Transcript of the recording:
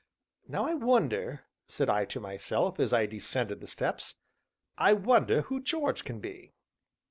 "Now I wonder," said I to myself as I descended the steps, "I wonder who George can be?"